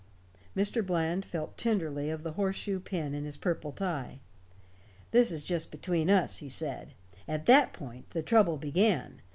Mr. Bland felt tenderly of the horseshoe pin in his purple tie. "This is just between us," he said. "At that point the trouble began.